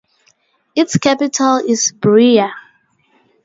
Its capital is Bria.